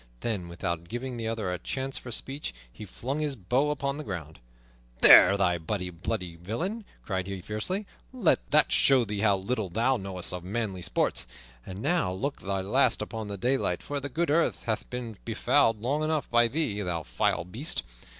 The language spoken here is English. Then, without giving the other a chance for speech, he flung his bow upon the ground. "There, thou bloody villain!" cried he fiercely, "let that show thee how little thou knowest of manly sports. And now look thy last upon the daylight, for the good earth hath been befouled long enough by thee, thou vile beast!